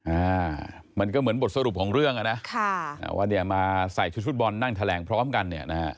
อ่ามันก็เหมือนบทสรุปของเรื่องอ่ะนะว่าเนี่ยมาใส่ชุดบอนนั่งแถลงพร้อมกันนะฮะ